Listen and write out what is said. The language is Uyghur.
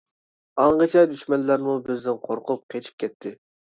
ئاڭغىچە دۈشمەنلەرمۇ بىزدىن قورقۇپ قېچىپ كەتتى.